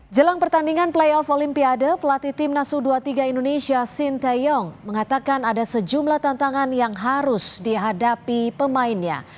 jelang pertandingan playoff olimpiade pelatih timnas u dua puluh tiga indonesia sinteyong mengatakan ada sejumlah tantangan yang harus dihadapi pemainnya